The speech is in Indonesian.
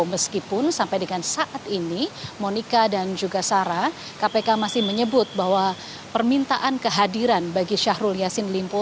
meskipun sampai dengan saat ini monika dan juga sarah kpk masih menyebut bahwa permintaan kehadiran bagi syahrul yassin limpo